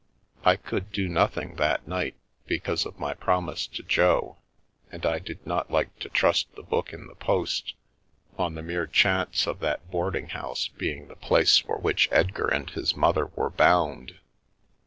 I could do nothing that night, because of my promise to Jo, and I did not like to trust the book in the post on the mere chance of that boarding house being the place for which Edgar and his mother were bound.